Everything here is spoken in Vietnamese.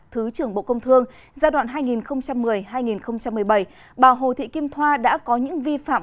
thứ trưởng bộ công thương giai đoạn hai nghìn một mươi hai nghìn một mươi bảy bà hồ thị kim thoa đã có những vi phạm